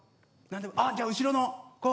あっじゃあ後ろの子